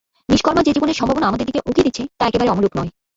নিষ্কর্মা যে জীবনের সম্ভাবনা আমাদের দিকে উকি দিচ্ছে তা একেবারে অমূলক নয়।